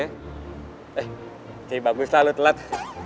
eh tapi bagus lah lu telat